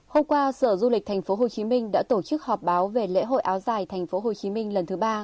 hôm qua sở du lịch tp hcm đã tổ chức họp báo về lễ hội áo dài tp hcm lần thứ ba